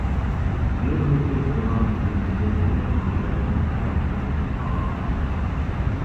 Бир нече жылдан кийин резидент Болгариянын жарандыгын ала алат.